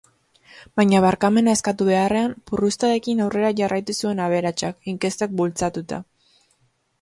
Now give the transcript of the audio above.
Baina barkamena eskatu beharrean, purrustadekin aurrera jarraitu zuen aberatsak, inkestek bultzatuta.